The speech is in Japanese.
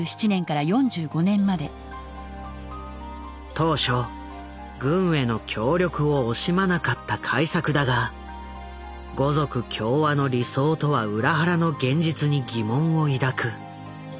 当初軍への協力を惜しまなかった開作だが「五族協和」の理想とは裏腹の現実に疑問を抱く。